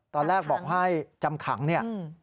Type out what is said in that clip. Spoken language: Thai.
ตอนแรกบอกให้จำขัง๔๕วัน